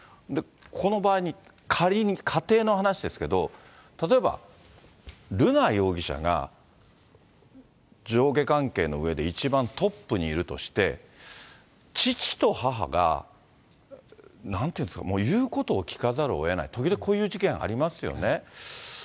この場合に、仮に、仮定の話ですけど、例えば瑠奈容疑者が上下関係のうえで一番トップにいるとして、父と母が、なんていうんですか、言うことを聞かざるをえない、時々こういう事件ありますよね。